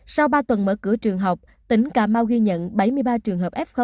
sau ba tuần mở cửa trường học tỉnh cà mau ghi nhận bảy mươi ba trường hợp f một